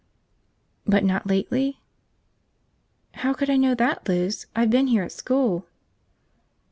"But not lately?" "How could I know that, Liz? I've been here at school."